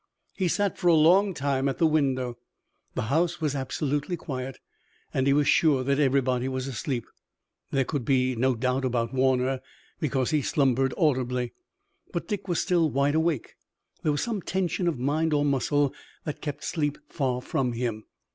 He sat for a long time at the window. The house was absolutely quiet, and he was sure that everybody was asleep. There could be no doubt about Warner, because he slumbered audibly. But Dick was still wide awake. There was some tension of mind or muscle that kept sleep far from him.